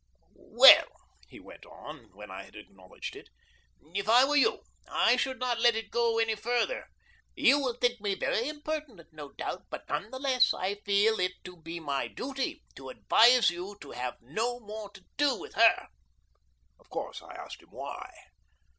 "Well," he went on, when I had acknowledged it, "if I were you, I should not let it go any further. You will think me very impertinent, no doubt, but, none the less, I feel it to be my duty to advise you to have no more to do with her." Of course I asked him why.